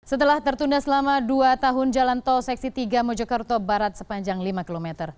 setelah tertunda selama dua tahun jalan tol seksi tiga mojokerto barat sepanjang lima km